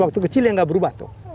waktu kecil ya nggak berubah tuh